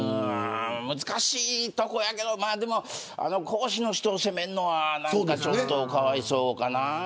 難しいところやけど講師の人を責めるのはちょっとかわいそうかな。